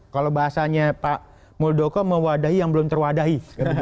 kalau bahasanya pak muldoko mewadahi yang belum terwadahi